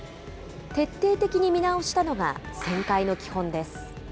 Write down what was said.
徹底的に見直したのが旋回の基本です。